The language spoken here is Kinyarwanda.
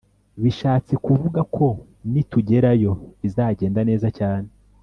bishatse kuvuga ko nitugerayo bizagenda neza cyane